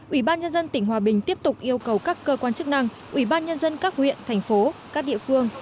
ủy ban nhân dân tỉnh hòa bình tiếp tục yêu cầu các cơ quan chức năng ủy ban nhân dân các huyện thành phố các địa phương